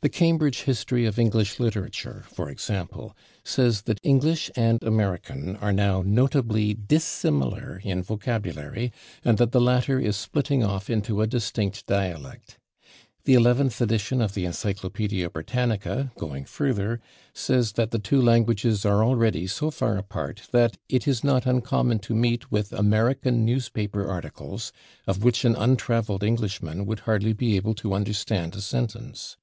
The Cambridge History of English Literature, for example, says that English and American are now "notably dissimilar" in vocabulary, and that the latter is splitting off into a distinct dialect. The Eleventh Edition of the Encyclopaedia Britannica, going further, says that the two languages are already so far apart that "it is not uncommon to meet with [American] newspaper articles of which an untravelled Englishman would hardly be able to understand a sentence."